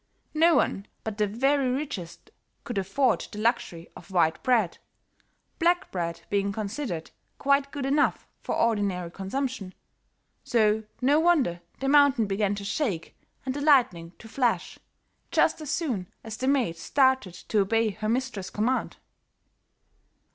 No one but the very richest could afford the luxury of white bread, black bread being considered quite good enough for ordinary consumption, so no wonder the mountain began to shake and the lightning to flash, just as soon as the maid started to obey her mistress' command.